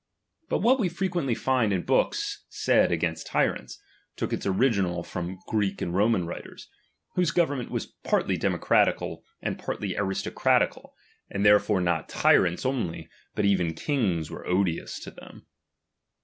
But what we frequently find in books said against tyrants, took its original from Greek and Roman writers, whose government was partly democratieal, and partly aristocratical, and therefore not tyrants only, but even kings were odious to them.